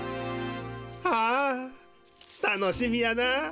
ああたのしみやな。